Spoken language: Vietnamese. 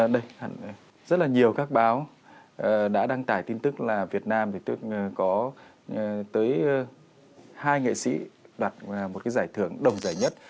đây rất là nhiều các báo đã đăng tải tin tức là việt nam có tới hai nghệ sĩ đạt một giải thưởng đồng giải nhất